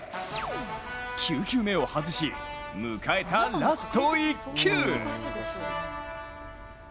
９球目を外し迎えたラスト１球。